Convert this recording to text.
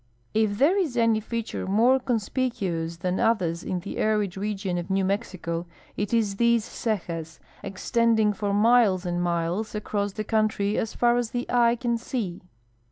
If there is any feature more conspicuous than others in the arid region of New Mexico it is these cejas, extending for miles and miles across the country as far as the eye can see.